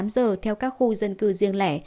bốn mươi tám giờ theo các khu dân cư riêng lẻ